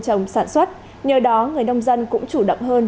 trồng sản xuất nhờ đó người nông dân cũng chủ động hơn